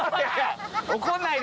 怒んないで！